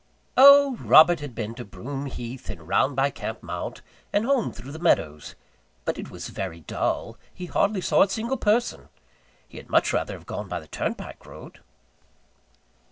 Oh Robert had been to Broom Heath, and round by Camp Mount, and home through the meadows. But it was very dull. He hardly saw a single person. He had much rather have gone by the turnpike road.